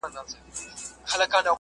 داخلي سکتور د خلکو سره ډیره مرسته کوي.